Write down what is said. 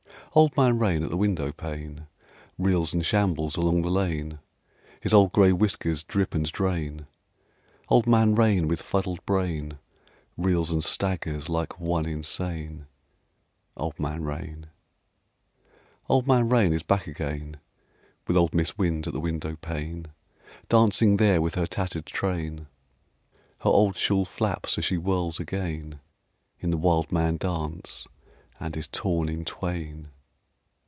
Old Man Rain at the windowpane Reels and shambles along the lane: His old gray whiskers drip and drain: Old Man Rain with fuddled brain Reels and staggers like one insane. Old Man Rain. Old Man Rain is back again, With old Mis' Wind at the windowpane, Dancing there with her tattered train: Her old shawl flaps as she whirls again In the wildman dance and is torn in twain.